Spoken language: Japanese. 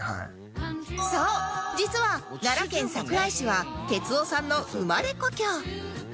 そう実は奈良県桜井市は哲夫さんの生まれ故郷